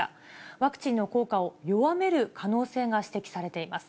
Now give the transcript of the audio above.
ワクチンの効果を弱める可能性が指摘されています。